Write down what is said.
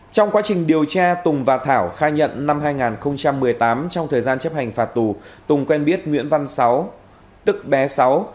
trong quá trình điều tra tùng và thảo khai nhận năm hai nghìn một mươi tám trong thời gian chấp hành phạt tù tùng quen biết nguyễn văn sáu tức bé sáu